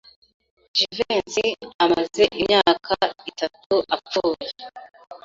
Jivency amaze imyaka itatu apfuye.